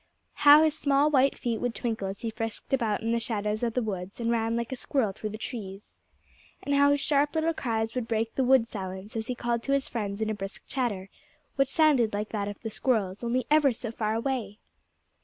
How his small white feet would twinkle as he frisked about in the shadows of the woods and ran like a squirrel through the trees! And how his sharp little cries would break the wood silence as he called to his friends in a brisk chatter, which sounded like that of the squirrels, only ever so far away!